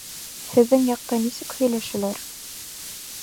Һеҙҙең яҡта нисек һөйләшәләр?